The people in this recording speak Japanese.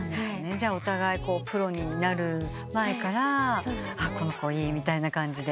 じゃあお互いプロになる前から「この子いい」みたいな感じで。